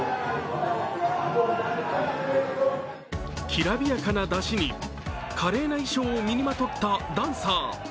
きらびやかな山車に華麗な衣装を身にまとったダンサー。